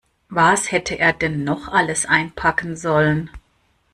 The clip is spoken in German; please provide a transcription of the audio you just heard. Was hätte er denn noch alles einpacken sollen?